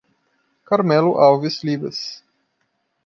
Carmelo Alves Libas